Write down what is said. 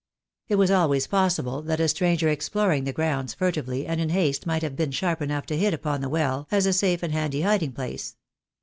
It was always possible that a stranger exploring the grounds furtively and in haste might have been sharp enough to hit upon the well as a safe and handy hiding place.